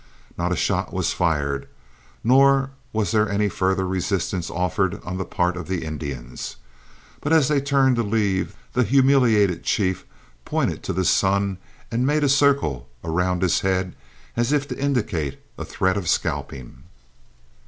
Not a shot was fired, nor was there any further resistance offered on the part of the Indians; but as they turned to leave the humiliated chief pointed to the sun and made a circle around his head as if to indicate a threat of scalping.